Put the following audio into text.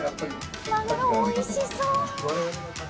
マグロおいしそう！